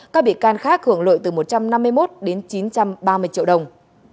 các bị can khác hưởng lợi từ một trăm năm mươi một đến chín trăm ba mươi triệu đồng